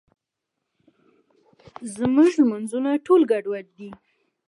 زموږ مونځونه ټول ګډوډ دي.